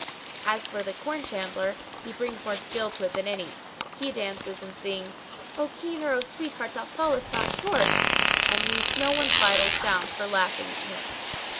As for the corn chandler he brings more skill to it than any; he dances and sings, 'O Keener,[FN#623] O sweetheart, thou fallest not short' and he leaves no one's vitals sound for laughing at him.